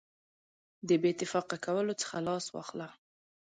د بې اتفاقه کولو څخه لاس واخله.